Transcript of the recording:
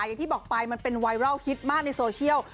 อย่างที่บอกไปมันเป็นไวรัลฮิตมากในโซเชียล